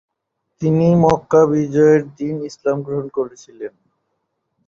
তিনি মক্কা বিজয়ের দিন ইসলাম গ্রহণ করেছিলেন।